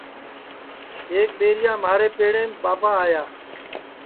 ایک ٻیریا مھارے پیڑیم بابا آیا